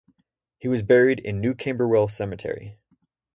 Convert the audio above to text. He is buried in New Camberwell Cemetery.